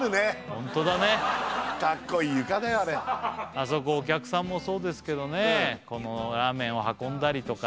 本当だねあそこお客さんもそうですけどね